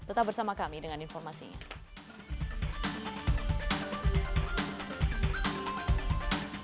tetap bersama kami dengan informasinya